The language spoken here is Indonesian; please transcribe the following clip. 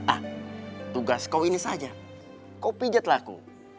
ah tugas kau ini saja kau pijat lah aku